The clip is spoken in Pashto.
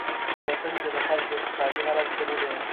په وطن کې د خلکو اقتصادي حالت ښه نه دی.